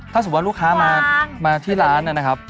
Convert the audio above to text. ถ้าสมมุติลูกค้ามาที่ร้านนะครับ